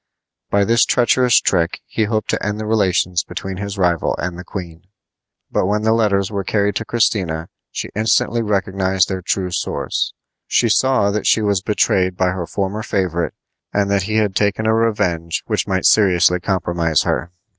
By this treacherous trick he hoped to end the relations between his rival and the queen; but when the letters were carried to Christina she instantly recognized their true source. She saw that she was betrayed by her former favorite and that he had taken a revenge which might seriously compromise her.